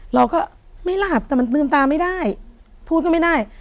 เราก็ไม่หลับแต่มันลืมตาไม่ได้พูดก็ไม่ได้